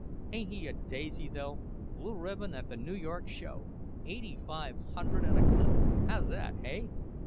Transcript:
Ain't he a daisy, though—blue ribbon at the New York show—eighty five hundred at a clip! How's that, hey?"